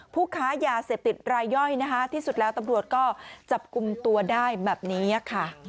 ผู้ค้ายาเสพติดรายย่อยนะคะที่สุดแล้วตำรวจก็จับกลุ่มตัวได้แบบนี้ค่ะ